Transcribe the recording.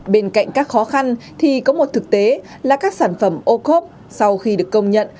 bên cạnh các khó khăn thì có một thực tế là các sản phẩm ô khốp sau khi được công nhận